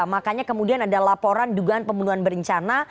makanya kemudian ada laporan dugaan pembunuhan berencana